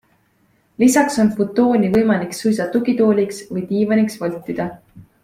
Lisaks on futooni võimalik suisa tugitooliks või diivaniks voltida.